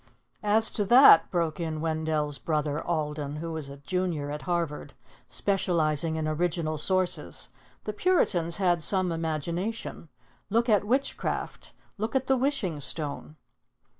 "As to that," broke in Wendell's brother Alden, who was a Junior at Harvard, specializing in Original Sources, "the Puritans had some imagination. Look at witchcraft. Look at the Wishing Stone."